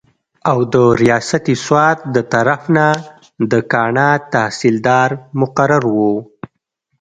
او د رياست سوات دطرف نه د کاڼا تحصيلدار مقرر وو